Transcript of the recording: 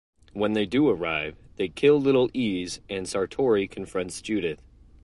When they do arrive, they kill Little Ease and Sartori confronts Judith.